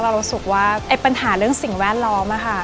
เรารู้สึกว่าปัญหาเรื่องสิ่งแวดล้อม